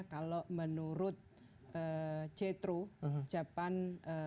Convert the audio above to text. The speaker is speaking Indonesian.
kalau menurut jetro jepang